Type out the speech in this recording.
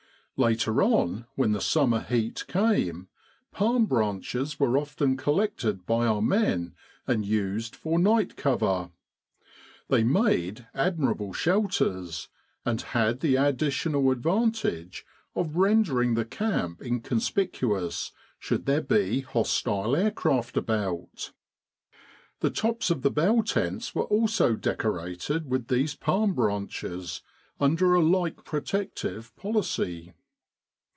Later on, when the summer heat came, palm branches were often collected by our men and used for night cover. They made admirable shelters, and had the additional advantage of rendering the camp incon spicuous should there be hostile aircraft about. The tops of the bell tents were also decorated with these palm branches under a like protective policy.